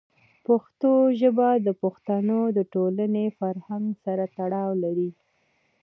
پښتو ژبه د پښتنو د ټولنې فرهنګ سره تړاو لري.